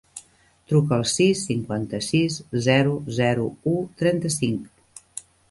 Truca al sis, cinquanta-sis, zero, zero, u, trenta-cinc.